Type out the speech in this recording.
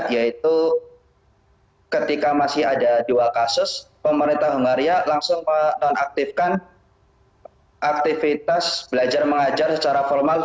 yaitu ketika masih ada dua kasus pemerintah hongaria langsung menonaktifkan aktivitas belajar mengajar secara formal